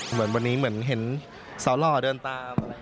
เหมือนวันนี้เหมือนเห็นสาวหล่อเดินตาม